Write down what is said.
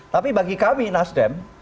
tapi bagi kami nasdem